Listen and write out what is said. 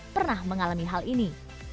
pernah mengalami hal ini